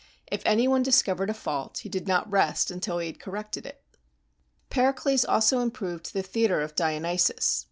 If any one discovered a fault, he did not rest until he had corrected it. Pericles also improved the theater of Dionysus.